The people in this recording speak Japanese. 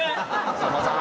さんまさん！